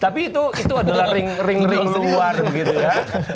tapi itu adalah ring ring ring luar gitu ya